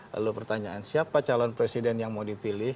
lalu pertanyaan siapa calon presiden yang mau dipilih